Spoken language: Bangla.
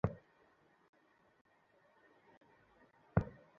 আমাদের সমুদয় জীবনও এই প্রকার।